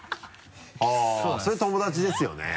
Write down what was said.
それ友達ですよね？